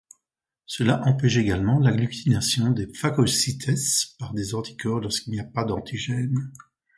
Cela empêche également l'agglutination des phagocytess par des anticorps lorsqu'il n'y a pas d'antigène.